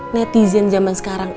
netizen zaman sekarang